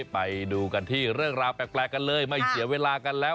ไปดูกันที่เรื่องราวแปลกกันเลยไม่เสียเวลากันแล้ว